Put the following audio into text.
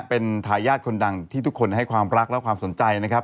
เป็นทายาทคนดังที่ทุกคนให้ความรักและความสนใจนะครับ